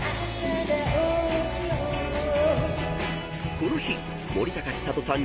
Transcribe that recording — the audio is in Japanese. ［この日森高千里さん